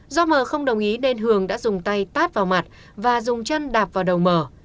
do mờ không đồng ý nên hường đã dùng tay tát vào mặt và dùng chân đạp vào đầu mở